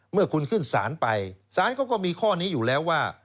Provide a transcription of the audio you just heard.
เมื่อคุณขึ้นศาลไปสารเขาก็มีข้อนี้อยู่แล้วว่า